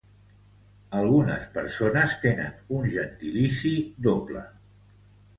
Algunes persones tenen un gentilici doble.